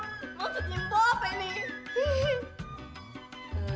maksudnya mpok nih